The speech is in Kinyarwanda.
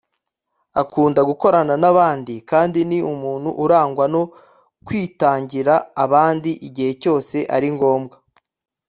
akunda gukorana n’abandi kandi ni umuntu urangwa no kwitangira abandi igihe cyose ari ngombwa